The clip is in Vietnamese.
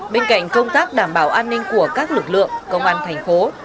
bên cạnh công tác đảm bảo an ninh của các lực lượng công an thành phố